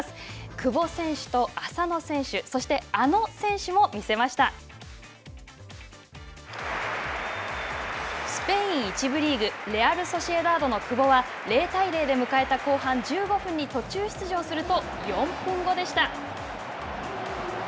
久保選手と、浅野選手、そして、スペイン１部リーグ、レアルソシエダードの久保は０対０で迎えた後半１５分に途中出場すると４分後でした。